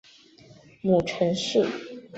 母程氏。